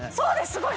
すごい。